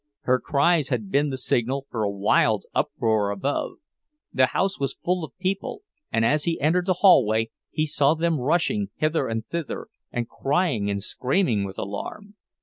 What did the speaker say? Her cries had been the signal for a wild uproar above; the house was full of people, and as he entered the hallway he saw them rushing hither and thither, crying and screaming with alarm.